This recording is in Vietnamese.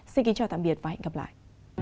xin kính chào tạm biệt và hẹn gặp lại